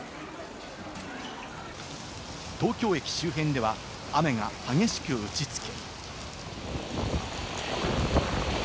東京駅周辺では雨が激しく打ちつけ。